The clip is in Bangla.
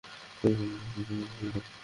এখান থেকে বের হও।